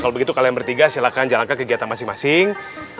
kalau begitu kalian bertiga silahkan jalankan kegiatan masing masing